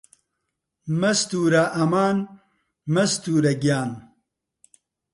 مەستوورە ئەمان مەستوورە گیان